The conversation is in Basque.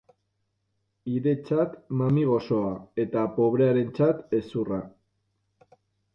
Hiretzat mami gozoa eta pobrearentzat hezurra.